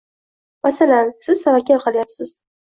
Masalan, siz tavakkal qilyapsiz.